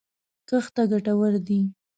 کښت ته ګټور دی